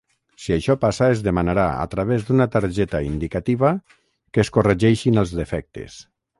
Si això passa es demanarà, a través d'una targeta indicativa, que es corregeixin els defectes.